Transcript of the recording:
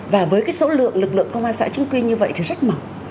và với cái số lượng lực lượng công an xã chứng quy như vậy thì rất mỏng